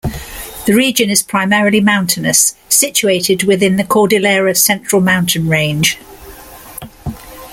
The region is primarily mountainous, situated within the Cordillera Central mountain range.